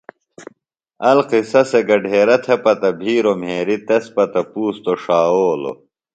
القصہ سےۡ گھڈیرہ تھےۡ پتہ بھیروۡ مھیریۡ تس پتہ پُوستوۡ ݜاوولوۡ